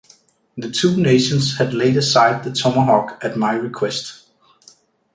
The two nations had laid aside the tomahawk at my request.